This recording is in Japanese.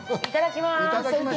◆いただきます。